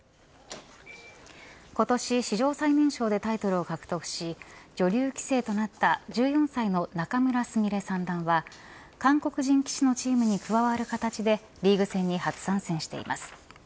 今年史上最年少でタイトルを獲得し女流棋聖となった１４歳の仲邑菫さんらんは韓国人棋士のチームに加わる形でリーグ戦に初参戦しています。